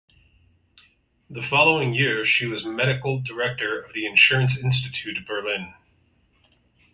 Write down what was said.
The following year she was medical director of the Insurance Institute Berlin.